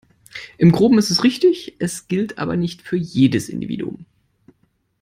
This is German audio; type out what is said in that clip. Im Groben ist es richtig, es gilt aber nicht für jedes Individuum.